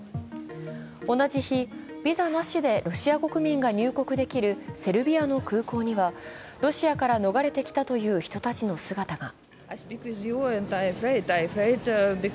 同じ日、ビザなしでロシア国民が入国できるセルビアの空港には、ロシアから逃れてきたという人たちの姿が。